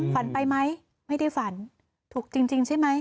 ฝันไปไหมไม่ได้ฝันถูกจริงใช่ไหม